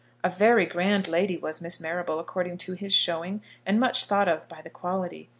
A very grand lady was Miss Marrable, according to his showing, and much thought of by the quality.